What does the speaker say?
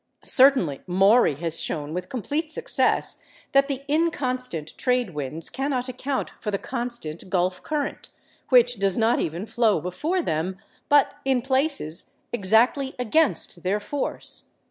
Certainly Maury has shown with complete success that the inconstant trade winds cannot account for the constant Gulf current, which does not even flow before them, but, in places, exactly against their force.